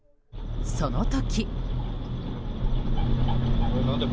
その時。